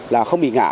là không bị ngã